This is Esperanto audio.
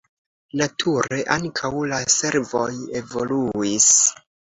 Nature ankaŭ la servoj evoluis.